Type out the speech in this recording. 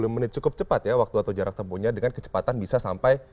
dua puluh menit cukup cepat ya waktu atau jarak tempuhnya dengan kecepatan bisa sampai